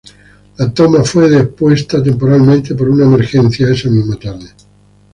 La toma fue depuesta temporalmente por una emergencia esa misma tarde.